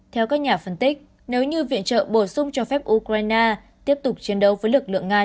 theo các nhà phân tích nếu như viện trợ bổ sung cho phép ukraine tiếp tục chiến đấu với lực lượng nga